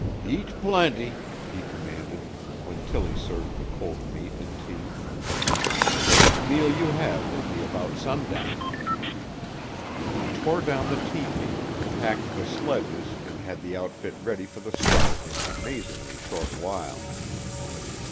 "Eat plenty," he commanded, when Tilly served the cold meat and tea. "The next meal you have will be about sundown." He tore down the tepee, packed the sledges and had the outfit ready for the start in an amazingly short while.